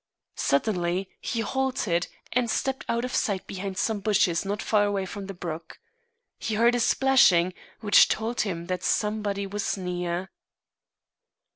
Suddenly he halted and stepped out of sight behind some bushes not far away from the brook. He heard a splashing, which told him that somebody was near.